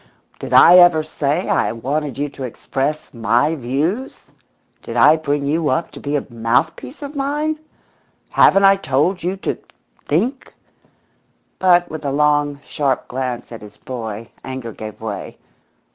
"Did I ever say I wanted you to express 'my views'? Did I bring you up to be a mouthpiece of mine? Haven't I told you to think?" But with a long, sharp glance at his boy anger gave way.